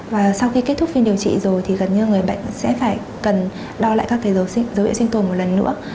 và sau khi kết thúc phiên điều trị rồi thì gần như người bệnh sẽ phải cần đo lại các dấu vệ sinh tồn một lần nữa